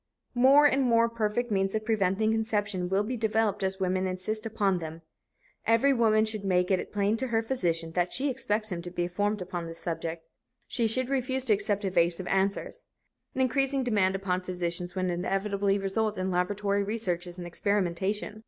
More and more perfect means of preventing conception will be developed as women insist upon them. Every woman should make it plain to her physician that she expects him to be informed upon this subject. She should refuse to accept evasive answers. An increasing demand upon physicians will inevitably result in laboratory researches and experimentation.